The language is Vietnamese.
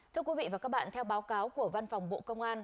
thưa quý vị và các bạn theo báo cáo của văn phòng bộ công an